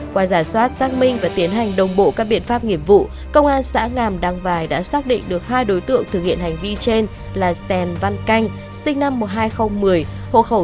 qua giả soát xác minh và tiến hành đồng bộ các biện pháp nghiệp vụ công an xã ngàm đăng vài đã xác định được hai đối tượng thực hiện hành vi trên là sèn văn canh sinh năm hai nghìn một mươi hộ khẩu thường trú tại thổ nguyên